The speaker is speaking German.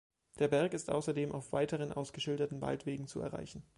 Der Berg ist außerdem auf weiteren ausgeschilderten Waldwegen zu erreichen.